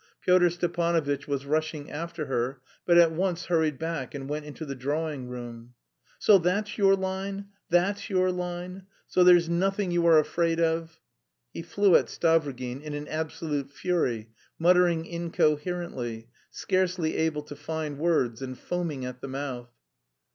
Pyotr Stepanovitch was rushing after her, but at once hurried back and went into the drawing room. "So that's your line? That's your line? So there's nothing you are afraid of?" He flew at Stavrogin in an absolute fury, muttering incoherently, scarcely able to find words and foaming at the mouth.